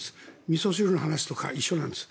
みそ汁の話とか一緒なんです。